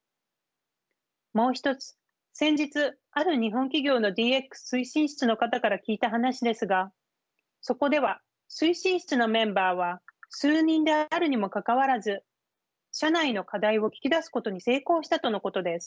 もう一つ先日ある日本企業のＤＸ推進室の方から聞いた話ですがそこでは推進室のメンバーは数人であるにもかかわらず社内の課題を聞き出すことに成功したとのことです。